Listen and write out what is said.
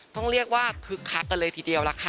ต้องเรียกว่าคึกคักกันเลยทีเดียวล่ะค่ะ